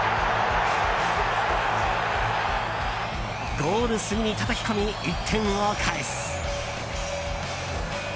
ゴール隅にたたき込み１点を返す。